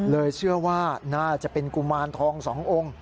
เชื่อว่าน่าจะเป็นกุมารทองสององค์